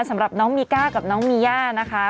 สำหรับน้องมีก้ากับน้องมีย่านะคะ